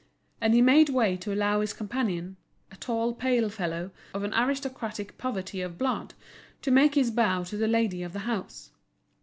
And he made way to allow his companion, a tall, pale fellow, of an aristocratic poverty of blood, to make his bow to the lady of the house.